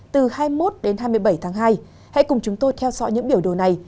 từ hai mươi một đến hai mươi bảy tháng hai hãy cùng chúng tôi theo dõi những biểu đồ này